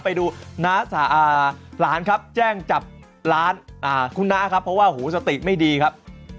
ไปดูน้าหลานครับแจ้งจับร้านคุณน้าครับเพราะว่าหูสติไม่ดีครับ